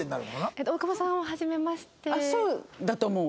あっそうだと思う。